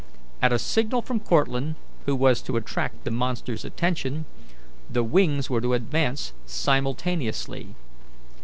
At a signal from Cortlandt, who was to attract the monster's attention, the wings were to advance simultaneously.